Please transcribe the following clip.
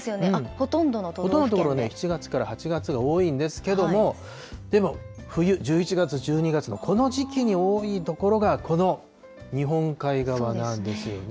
ほとんどの所は７月から８月が多いんですけれども、でも、冬、１１月、１２月のこの時期に多い所が、この日本海側なんですよね。